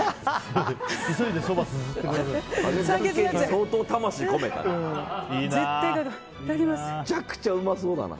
相当、魂込めたな。